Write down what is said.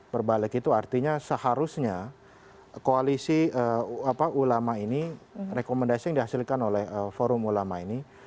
berbalik itu artinya seharusnya koalisi ulama ini rekomendasi yang dihasilkan oleh forum ulama ini